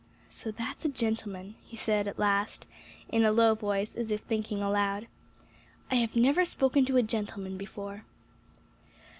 "So, that's a gentleman," he said at last, in a low voice, as if thinking aloud; "I have never spoken to a gentleman before."